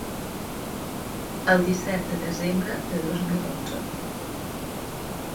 El disset de desembre de dos mil onze.